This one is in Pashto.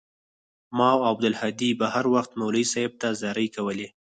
ما او عبدالهادي به هروخت مولوى صاحب ته زارۍ کولې.